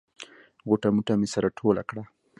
غوټه موټه مې سره ټوله کړه.